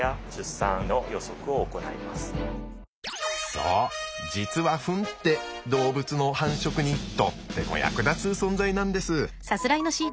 そう実はフンって動物の繁殖にとっても役立つ存在なんです。